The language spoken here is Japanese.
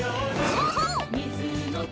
そうそう！